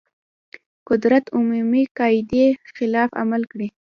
قدرت عمومي قاعدې خلاف عمل کړی.